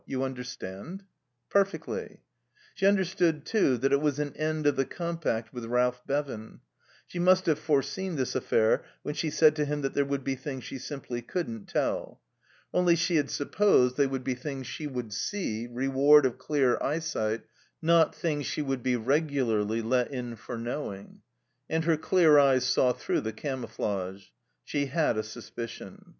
You understand?" "Perfectly." She understood, too, that it was an end of the compact with Ralph Bevan. She must have foreseen this affair when she said to him there would be things she simply couldn't tell. Only she had supposed they would be things she would see, reward of clear eyesight, not things she would be regularly let in for knowing. And her clear eyes saw through the camouflage. She had a suspicion.